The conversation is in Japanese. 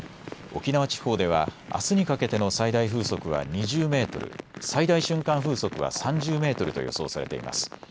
沖縄地方では、あすにかけての最大風速は２０メートル、最大瞬間風速は３０メートルと予想されています。